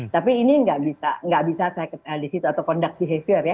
tapi ini nggak bisa saya di situ atau conduct behavior ya